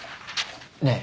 ねえ